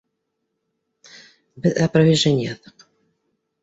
Беҙ опровержение яҙҙыҡ